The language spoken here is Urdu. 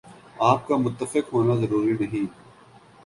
آپ کا متفق ہونا ضروری نہیں ۔